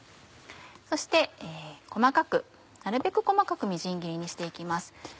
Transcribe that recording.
そしてなるべく細かくみじん切りにして行きます。